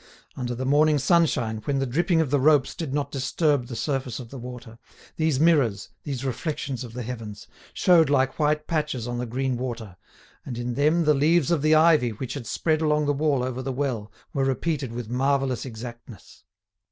Under the morning sunshine, when the dripping of the ropes did not disturb the surface of the water, these mirrors, these reflections of the heavens, showed like white patches on the green water, and in them the leaves of the ivy which had spread along the wall over the well were repeated with marvellous exactness.